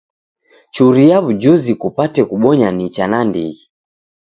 Churia w'ujuzi kupate kubonya nicha nandighi.